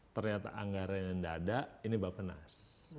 ternyata anggaranya yang tidak ada ini bapenas